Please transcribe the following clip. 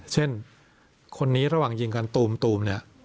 เช่นคนนี้ระหว่างยิงกันตูมเนี่ย